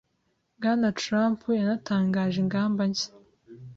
Bwana Trump yanatangaje ingamba nshya